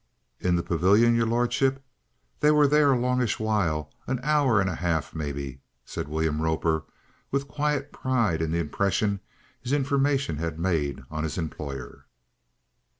"In the pavilion, your lordship? They were there a longish while an hour and a half maybe," said William Roper, with quiet pride in the impression his information had made on his employer.